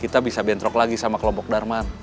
kita bisa bentrok lagi sama kelompok darman